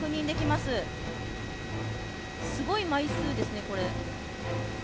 すごい枚数ですね、これ。